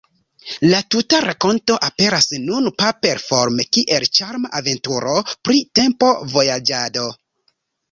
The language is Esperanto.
La tuta rakonto aperas nun paper-forme kiel ĉarma aventuro pri tempo-vojaĝado.